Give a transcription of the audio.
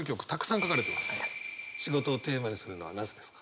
「仕事」をテーマにするのはなぜですか？